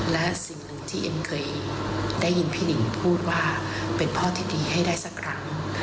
และสิ่งหนึ่งที่เอ็มเคยได้ยินพี่หนิงพูดว่าเป็นพ่อที่ดีให้ได้สักครั้ง